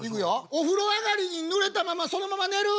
お風呂上がりにぬれたままそのまま寝る！